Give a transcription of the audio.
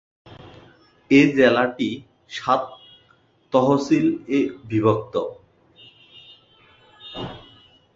এ জেলাটি সাত তহশিল এ বিভক্ত।